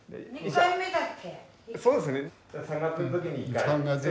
そうですね。